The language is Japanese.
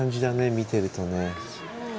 見ているとね。